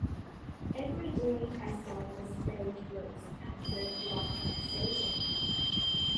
Every day I saw misspelled words and heard wrong conversations.